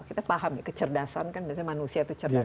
kita paham ya kecerdasan kan biasanya manusia itu cerdas